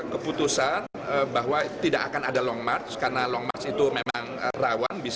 keputusan bahwa tidak akan ada long march karena long march itu memang rawan